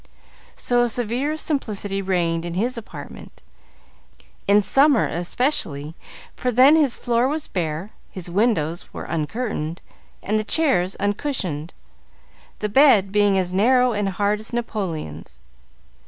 So a severe simplicity reigned in his apartment; in summer, especially, for then his floor was bare, his windows were uncurtained, and the chairs uncushioned, the bed being as narrow and hard as Napoleon's.